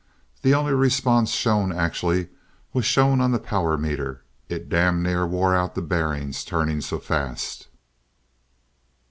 The only response shown, actually, was shown on the power meter. It damn near wore out the bearings turning so fast."